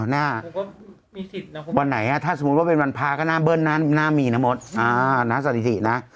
อ๋อน่ะวันไหนถ้าสมมุติว่าเป็นวันพลาก็น่าเบิ้ลนั้นน่ามีน้ำมดน่าสถิตินะ